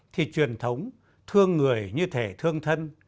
thì truyền thống thương người như thể thương thân